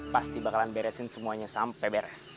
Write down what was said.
pasti bakalan beresin semuanya sampai beres